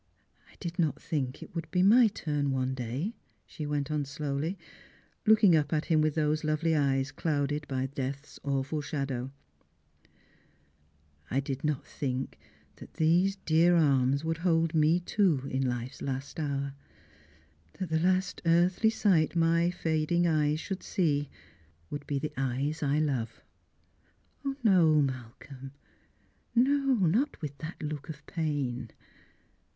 " I did not think it would be my turn one day," she went on slowly, looking up at him with those lovely eyes clouded by death's awful shadow, —" I did not think that these dear arms would hold me too in life's last hour; that the last earthly sight my fading eyes should see would be the eyes I love. No, ]\ralcolra, no; not with that look of pain!